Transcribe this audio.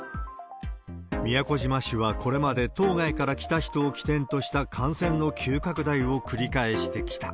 宮古島市はこれまで島外から来た人を起点とした感染の急拡大を繰り返してきた。